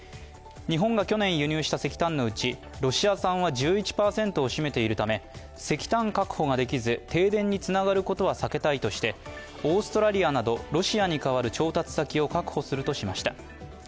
日本が去年輸入した石炭のうちロシア産は１１％を占めているため石炭確保ができず停電につながることは避けたいとしてオーストラリアなどロシアに代わる調達先を確保するとしました。